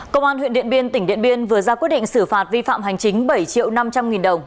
công an huyện điện biên tỉnh điện biên vừa ra quyết định xử phạt vi phạm hành chính bảy triệu năm trăm linh nghìn đồng